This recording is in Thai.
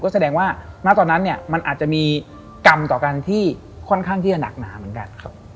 แสดงว่าณตอนนั้นเนี่ยมันอาจจะมีกรรมต่อกันที่ค่อนข้างที่จะหนักหนาเหมือนกัน